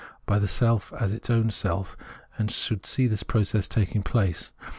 by the self as its own self, and should see this process taking place.